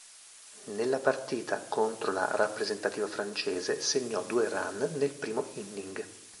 Nella partita contro la rappresentativa francese segnò due run nel primo inning.